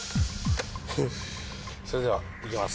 それではいきます。